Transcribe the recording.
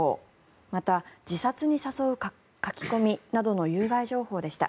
また、自殺に誘う書き込みなどの有害情報でした。